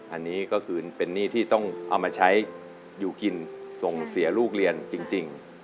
อันนี้ก็คือเป็นหนี้ที่ต้องเอามาใช้อยู่กินส่งเสียลูกเรียนจริง